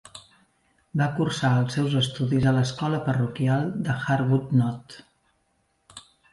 Va cursar els seus estudis a l'escola parroquial d'Arbuthnott.